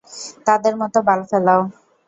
তাদের মত বাল ফেলাও।